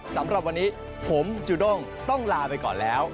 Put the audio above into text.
สำหรับวันนี้ผมจูด้งต้องลาไปก่อนแล้ว